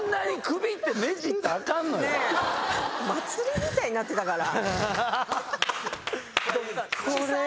祭りみたいになってたから。